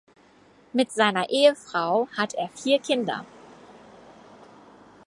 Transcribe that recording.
Mit seiner Ehefrau hat er vier Kinder.